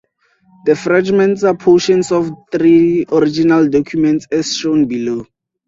The fragments are portions of three original documents as shown below.